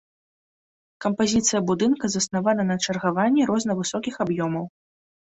Кампазіцыя будынка заснавана на чаргаванні рознавысокіх аб'ёмаў.